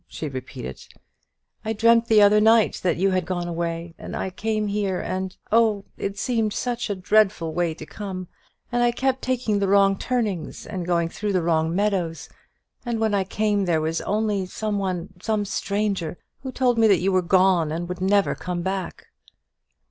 she repeated; "I dreamt the other night that you had gone away, and I came here; and, oh, it seemed such a dreadful way to come, and I kept taking the wrong turnings, and going through the wrong meadows; and when I came, there was only some one some stranger, who told me that you were gone, and would never come back."